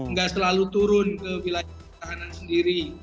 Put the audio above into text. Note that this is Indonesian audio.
nggak selalu turun ke wilayah pertahanan sendiri